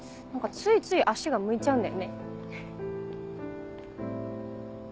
何かついつい足が向いちゃうんだよね。